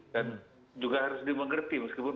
dan juga harus dimengerti meskipun